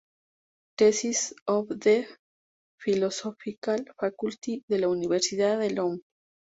Tesis... of the Philosophical Faculty de la Universidad de Lund.